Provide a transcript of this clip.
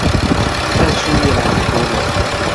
但是越來越多了